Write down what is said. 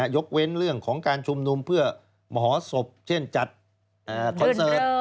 ยกเว้นเรื่องของการชุมนุมเพื่อมหศพเช่นจัดคอนเสิร์ต